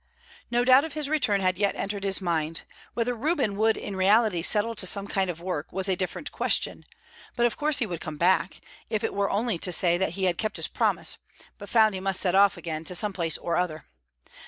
No doubt of his return had yet entered his mind. Whether Reuben would in reality settle to some kind of work was a different question; but of course he would come back, if it were only to say that he had kept his promise, but found he must set off again to some place or other.